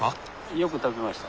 よく食べました。